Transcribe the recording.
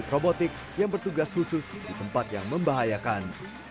robotik yang bertugas khusus di tempat yang membahayakan